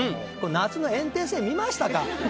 夏の炎帝戦見ましたか？